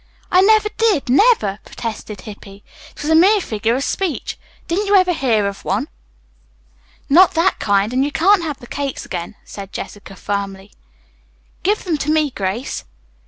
"I never did, never," protested Hippy. "It was a mere figure of speech. Didn't you ever hear of one?" "Not that kind, and you can't have the cakes, again," said Jessica firmly. "Give them to me, Grace."